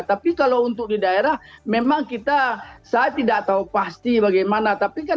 tapi kalau untuk di daerah memang kita saya tidak tahu pasti bagaimana tapi kan